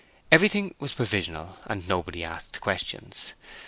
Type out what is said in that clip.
Everything was provisional, and nobody asked questions.